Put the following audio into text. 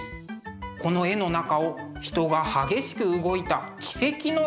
この絵の中を人が激しく動いた軌跡のように見えてきます。